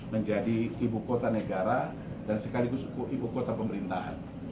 menjadi ibu kota negara dan sekaligus ibu kota pemerintahan